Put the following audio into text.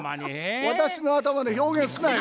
私の頭で表現すなよ。